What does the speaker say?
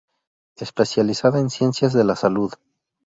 Especializada en ciencias de la salud.